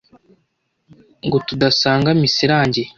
ngo tudasanga misa irangiye